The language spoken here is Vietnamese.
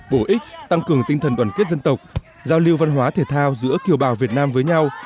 bổ ích tăng cường tinh thần đoàn kết dân tộc giao lưu văn hóa thể thao giữa kiều bào việt nam với nhau